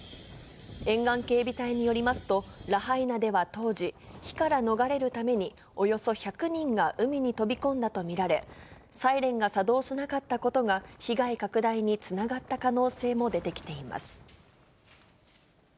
沿岸警備隊によりますと、ラハイナでは当時、火から逃れるために、およそ１００人が海に飛び込んだと見られ、サイレンが作動しなかったことが、被害拡大につながった可能性も出てきています。